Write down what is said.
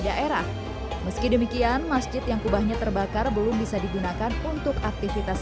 daerah meski demikian masjid yang kubahnya terbakar belum bisa digunakan untuk aktivitas